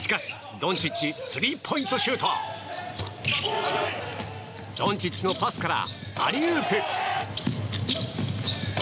ドンチッチのパスからアリウープ。